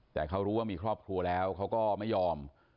แต่เขารู้ว่ามีครอบครัวแล้วเขาก็ไม่ยอม